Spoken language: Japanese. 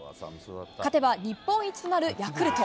勝てば日本一となるヤクルト。